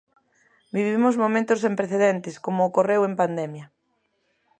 Vivimos momentos sen precedentes, como ocorreu en pandemia.